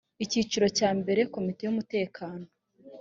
icyiciro cya mbere komite y umutekano